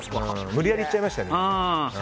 無理やり行っちゃいましたよね。